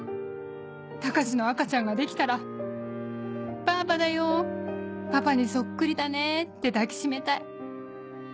高志の赤ちゃんができたら『ばあばだよパパにそっくりだね』って抱き締めたい。